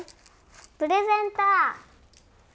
プレゼント！